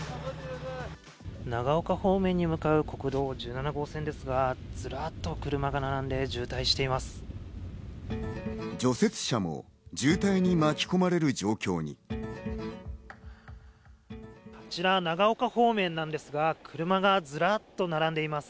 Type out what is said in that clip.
長岡方面に向かう国道１７号線ですがずらっと車が並んで渋滞しています。